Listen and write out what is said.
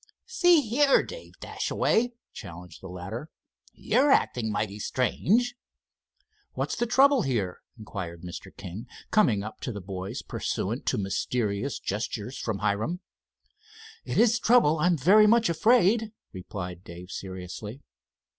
"See here, Dave Dashaway," challenged the latter, "you're acting mighty strange." "What's the trouble here?" inquired Mr. King, coming up to the boys, pursuant to mysterious gestures from Hiram. "It is trouble, I am very much afraid," replied Dave, seriously.